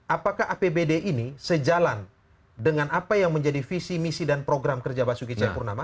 apakah apbd ini sejalan dengan apa yang menjadi visi misi dan program kerja basuki cahayapurnama